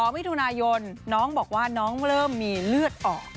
มิถุนายนน้องบอกว่าน้องเริ่มมีเลือดออก